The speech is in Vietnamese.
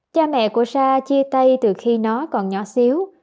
cha mẹ của sa chia tay từ khi nó còn nhỏ xíu